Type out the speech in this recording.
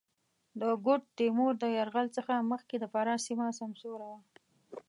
د ګوډ تېمور د یرغل څخه مخکې د فراه سېمه سمسوره وه.